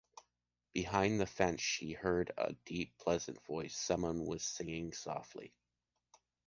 Behind the fence, she heard a deep pleasant voice: someone was singing softly.